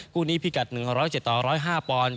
คู่นี้พิกัด๑๐๗ต่อ๑๐๕ปอนด์